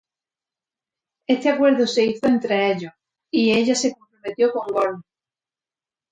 Este acuerdo se hizo entre ellos, y ella se comprometió con Gorm.